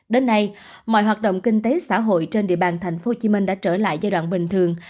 đến nay mọi hoạt động kinh tế xã hội trên địa bàn tp hcm đã trở lại giai đoạn bình thường